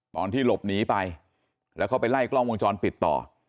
ตอนที่หลบหนีไปแล้วเขาไปไล่กล้องวงจรปิดต่อ